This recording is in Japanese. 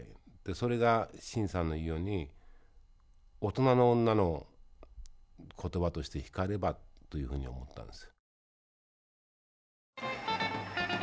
それが晋さんの言うように大人の女の言葉として光ればというふうに思ったんです。